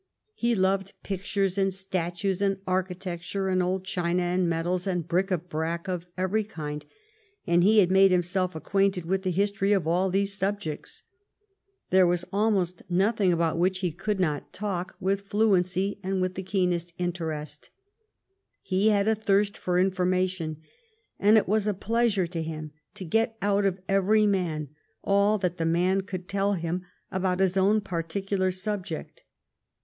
He loved pictures and statues and architecture and old china and medals and bric a brac of every kind, and he had made himself acquainted with the history of all these subjects. There was almost nothing about which he could not talk GLADSTONE AND DISRAELI AS RIVALS 165 with fluency and with the keenest interest. He had a thirst for information, and it was a pleasure to him to get out of every man all that the man could tell him about his own particular subject.